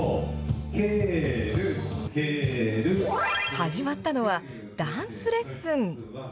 始まったのは、ダンスレッスン。